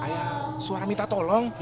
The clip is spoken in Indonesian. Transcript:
ayah suara minta tolong